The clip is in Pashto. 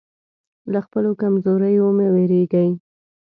له خپلو کمزوریو مه وېرېږئ.